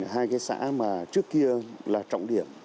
hai cái xã mà trước kia là trọng điểm